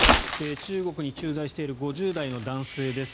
中国に駐在している５０代の男性です。